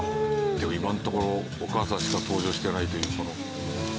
でも今のところお母さんしか登場してないというこの。